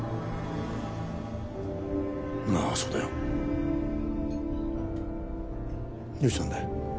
ああそうだよどうしたんだ？